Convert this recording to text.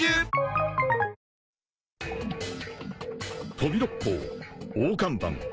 ［飛び六胞大看板］